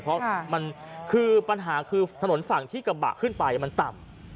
เพราะมันคือปัญหาคือถนนฝั่งที่กระบะขึ้นไปมันต่ำ